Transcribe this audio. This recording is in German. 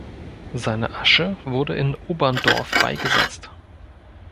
Seine Asche wurde in Oberndorf beigesetzt.